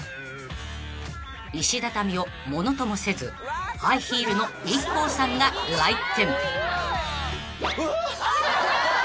［石畳をものともせずハイヒールのＩＫＫＯさんが来店］